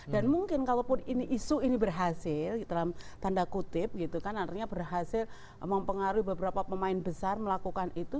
dan mungkin kalaupun ini isu ini berhasil di dalam tanda kutip gitu kan artinya berhasil mempengaruhi beberapa pemain besar melakukan itu